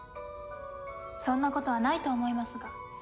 そんなことはないと思いますが。